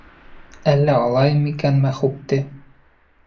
Әллә алайым микән Мәхүпте